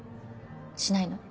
しないの？